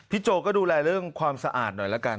โจก็ดูแลเรื่องความสะอาดหน่อยละกัน